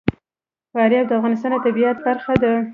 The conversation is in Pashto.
فاریاب د افغانستان د طبیعت برخه ده.